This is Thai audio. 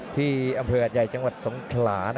ที่อำเภอหัดใหญ่จังหวัดสงขลา